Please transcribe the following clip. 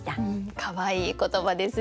かわいい言葉ですね。